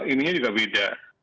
ininya juga beda